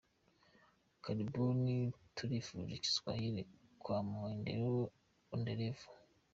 Karibuni tujifunze Kiswahili kwa maendeleo endelevu.